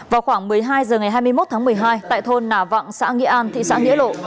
vào khoảng một mươi hai h ngày hai mươi một tháng một mươi hai tại thôn nà vặng xã nghĩa an thị xã nghĩa lộ